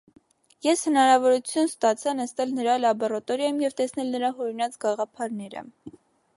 Ես հնարավորություն ստացա նստել նրա լաբորատորիայում և տեսնել նրա հորինած գաղափարները։